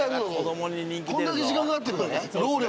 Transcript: こんだけ時間かかってるからね労力。